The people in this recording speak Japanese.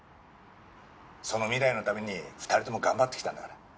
その未来のために２人とも頑張ってきたんだから。